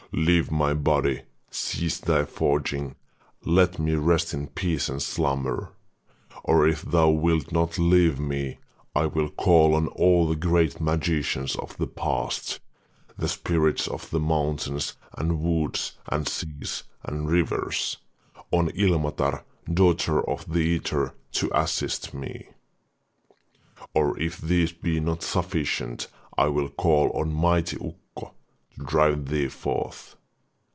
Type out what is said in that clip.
Leave my body, cease thy forging, let me rest in peace and slumber. Or if thou wilt not leave me, I will call on all the great magicians of the past, the spirits of the mountains and woods and seas and rivers, on Ilmatar, daughter of the ether, to assist me. Or if these be not sufficient, I will call on mighty Ukko to drive thee forth.